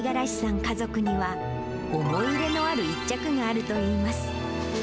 家族には、思い入れのある一着があるといいます。